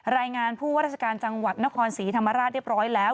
รายงานผู้ว่าราชการจังหวัดนครศรีธรรมราชเรียบร้อยแล้ว